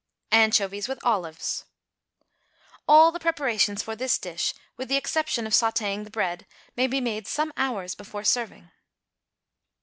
=Anchovies with Olives.= All the preparations for this dish, with the exception of sautéing the bread, may be made some hours before serving.